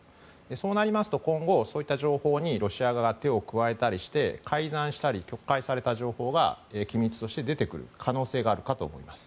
そうなりますと今後、そういった情報にロシア側は手を加えたりして改ざんしたり曲解された情報が機密として出てくる可能性があるかと思います。